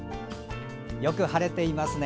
よく晴れていますね。